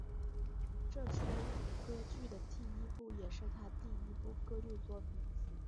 这出歌剧的第一部也是他第一部歌剧作品。